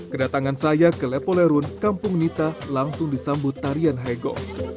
kedatangan saya ke lepolerun kampung nita langsung disambut tarian hego